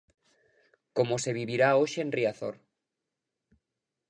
Como se vivirá hoxe en Riazor.